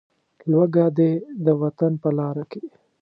لوږه دې د وطن په لاره کې.